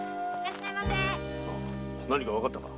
何かわかったか？